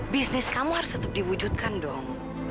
bisnis kamu harus tetap diwujudkan dong